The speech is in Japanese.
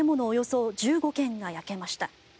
およそ１５軒が焼けました。